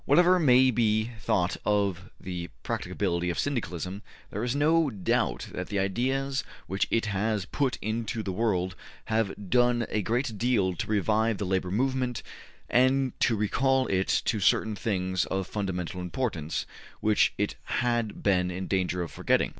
Whatever may be thought of the practicability of Syndicalism, there is no doubt that the ideas which it has put into the world have done a great deal to revive the labor movement and to recall it to certain things of fundamental importance which it had been in danger of forgetting.